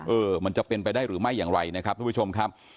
เออมันจะเป็นไปได้หรือไม่อย่างไรนะครับทุกผู้ชมครับ